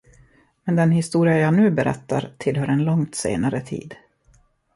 Men den historia jag nu berättar, tillhör en långt senare tid.